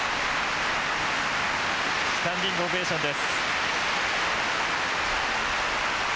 スタンディングオベーションです。